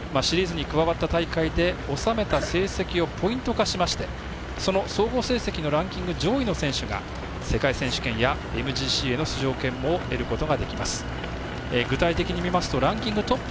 シリーズに加わった大会でおさめた成績をポイント化しましてその総合成績のランキング上位の選手が世界選手権やＭＧＣへの出場権を得ることができます。